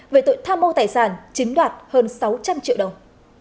về tội tham mô tài sản chiếm đoạt hơn sáu trăm linh triệu đồng